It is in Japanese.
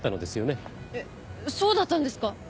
えっそうだったんですか？